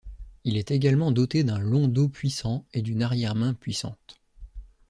Il également doté d'un long dos puissant et d'une arrière-main puissante.